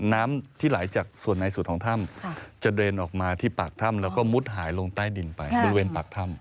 น้ำที่ไหลจากส่วนในสุดของถ้ำจะเดินออกมาที่ปากถ้ำแล้วก็มุดหายลงใต้ดินไปบริเวณปากถ้ำ